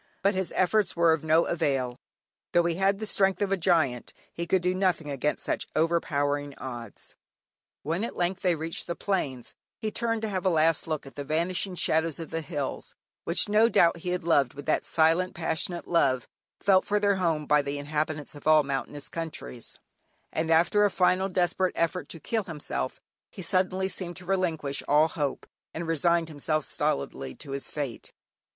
But his efforts were of no avail; though he had the strength of a giant he could do nothing against such overpowering odds. When at length they reached the plains, he turned to have a last look at the vanishing shadows of the hills, which no doubt he had loved with that silent, passionate love felt for their home by the inhabitants of all mountainous countries, and after a final desperate effort to kill himself, he suddenly seemed to relinquish all hope, and resigned himself stolidly to his fate.